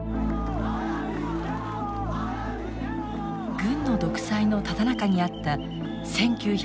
軍の独裁のただ中にあった１９８８年。